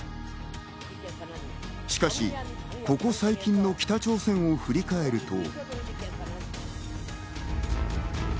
しかし、ここ最近の北朝鮮を振り返ると。